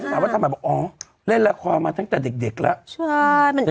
ฉันถามว่าทำบุญบอกอ๋อเล่นละครมาตั้งแต่เด็กเด็กละใช่